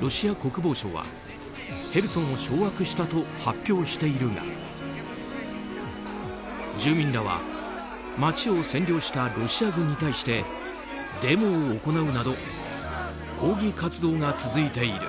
ロシア国防省はヘルソンを掌握したと発表しているが住民らは街を占領したロシア軍に対してデモを行うなど抗議活動が続いている。